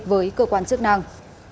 với cơ quan chức năng